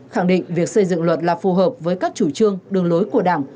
khẳng định việc xây dựng luật là phù hợp với các chủ trương đường lối của đảng